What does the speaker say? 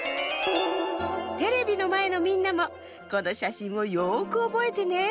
テレビのまえのみんなもこのしゃしんをよくおぼえてね。